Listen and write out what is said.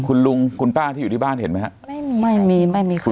คุณลุงคุณป้าที่อยู่ที่บ้านเห็นไหมไม่มีไม่มีใครเห็น